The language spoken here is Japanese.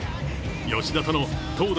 吉田との投打